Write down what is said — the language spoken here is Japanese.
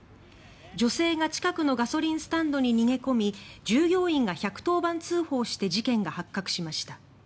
女性が近くのガソリンスタンドに逃げ込み従業員が１１０番通報して事件が発覚しました。